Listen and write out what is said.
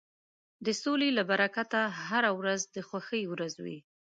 د سولې له برکته هره ورځ د خوښۍ ورځ وي.